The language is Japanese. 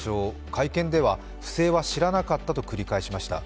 会見では不正は知らなかったと繰り返しました。